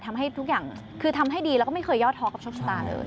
ทำให้ทุกอย่างคือทำให้ดีแล้วก็ไม่เคยย่อท้อกับโชคชะตาเลย